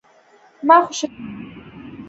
ما خوشي کړه ؟